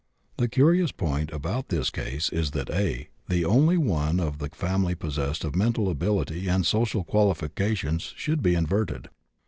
The curious point about this case is that A., the only one of the family possessed of mental ability and social qualifications, should be inverted.